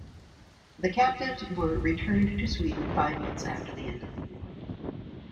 The captives were returned to Sweden five months after the end of the war.